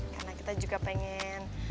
karena kita juga pengen